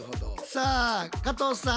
さあ加藤さん。